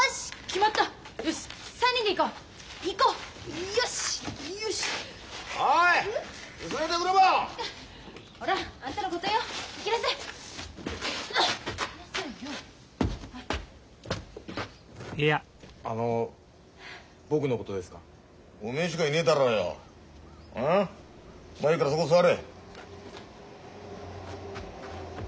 まあいいからそこ座れ。